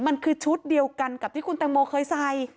มันคือชุดเดียวกันกับที่คุณแตงโมเคยใส่